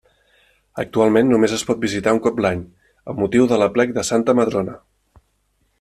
Actualment només es pot visitar un cop l'any, amb motiu de l'aplec de Santa Madrona.